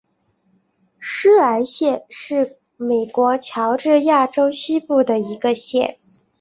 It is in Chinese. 施莱县是美国乔治亚州西部的一个县。